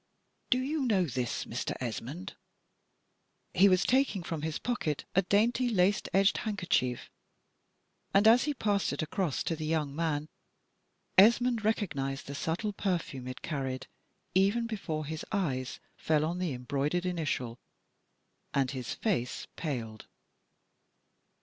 Do you know this, Mr. Esmond?" He was taking from his pocket a dainty lace edged handkerchief, and as he passed it across to the young man, Esmond recognized the subtle perfume it carried, even before his eyes fell on the embroidered initial, and his face paled.